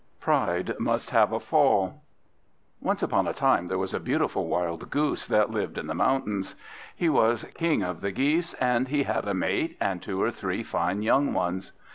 PRIDE MUST HAVE A FALL Once upon a time there was a beautiful wild Goose that lived in the mountains; he was King of the Geese, and he had a mate and two or three fine young ones.